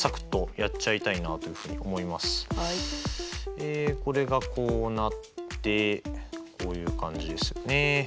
えこれがこうなってこういう感じですよね。